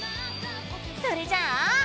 それじゃあ！